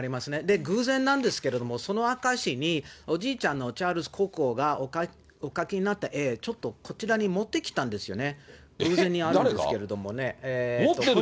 偶然なんですけれども、その証に、おじいちゃんのチャールズ国王がお描きになった絵、ちょっとこちらに持ってきたんですよね。